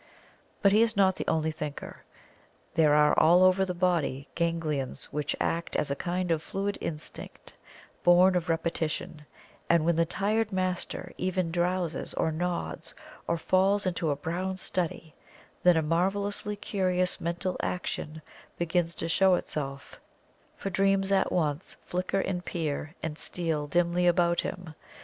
But he is not the only thinker there are all over the body ganglions which act by a kind of fluid instinct, born of repetition, and when the tired master even drowses or nods, or falls into a brown study, then a marvelously curious mental action begins to show itself, for dreams at once flicker and peer and steal dimly about him.